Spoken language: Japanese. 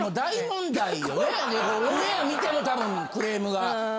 オンエア見ても多分クレームが。